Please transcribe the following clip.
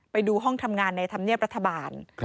ไปดูห้องทำงานในธรรมเนียบรัฐบาล